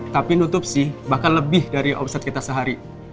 tapi nutup sih bahkan lebih dari omset kita sehari